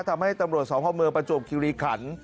ทำให้ตำรวจสองห้อมือประจวบคิวรีขัน